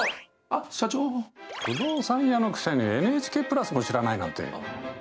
不動産屋のくせにＮＨＫプラスも知らないなんて。